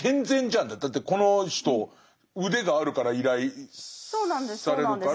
だってこの人腕があるから依頼されるから。